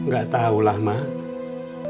gak tahulah ma'